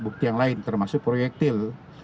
bukti yang lain termasuk proyektil